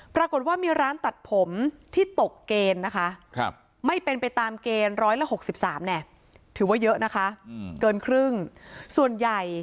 ปรากฏว่ามีร้านตัดผมที่ตกเกณฑ์นะคะ